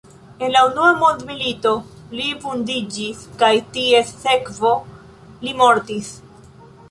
En la unua mondmilito li vundiĝis kaj ties sekvo li mortis.